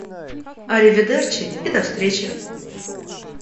Аривидерчи и до встречи!